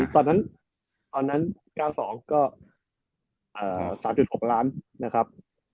ตอนนั้น๑๙๙๒ก็๓๖ล้านนะครับ